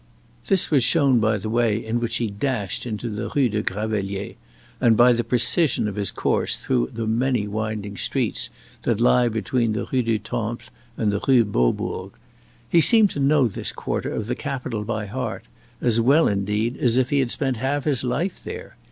This was shown by the way in which he dashed into the Rue des Gravelliers, and by the precision of his course through the many winding streets that lie between the Rue du Temple and the Rue Beaubourg. He seemed to know this quarter of the capital by heart; as well, indeed, as if he had spent half his life there.